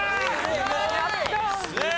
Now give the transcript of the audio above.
やったー！